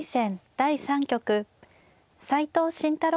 第３局斎藤慎太郎